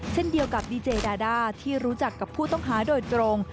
เช่นเดียวกับดีเจดาด้าที่รู้จักกับผู้ต้องหาโดยตรง